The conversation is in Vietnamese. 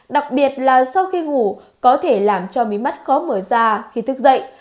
đặc biệt là sau khi ngủ có thể làm cho miế mắt khó mở ra khi thức dậy